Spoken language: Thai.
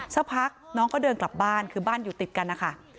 สักพักน้องก็เดินกลับบ้านคือบ้านอยู่ติดกันนะคะ